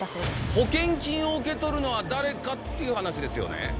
保険金を受け取るのは誰かっていう話ですよね？